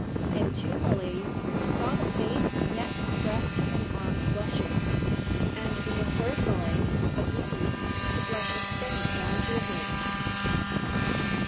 In two Malays he saw the face, neck, breast, and arms blushing; and in a third Malay (a Bugis) the blush extended down to the waist.